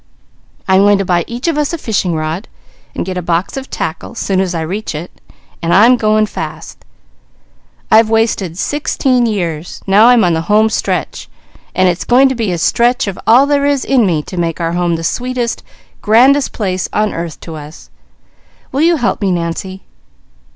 I am going to buy each of us a fishing rod, and get a box of tackle, soon as I reach it, and I'm going fast. I've wasted sixteen years, now I'm on the homestretch, and it's going to be a stretch of all there is in me to make our home the sweetest, grandest place on earth to us. Will you help me, Nancy?"